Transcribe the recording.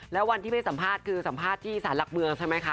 แล้ววันที่ไปสัมภาษณ์คือสัมภาษณ์ที่สารหลักเมืองใช่ไหมคะ